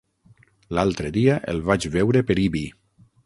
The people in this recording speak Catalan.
L'altre dia el vaig veure per Ibi.